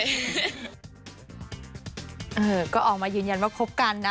เออก็ออกมายืนยันว่าคบกันนะ